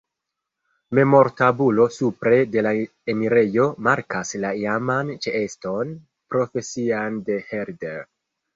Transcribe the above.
Memortabulo supre de la enirejo markas la iaman ĉeeston profesian de Herder.